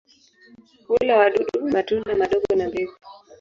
Hula wadudu, matunda madogo na mbegu.